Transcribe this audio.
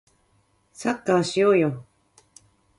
サッカーしようよ